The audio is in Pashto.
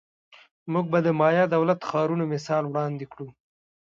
موږ به د مایا دولت ښارونو مثال وړاندې کړو